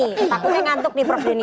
takutnya ngantuk nih prof denny